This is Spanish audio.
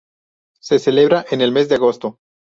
Se celebra en el mes de agosto.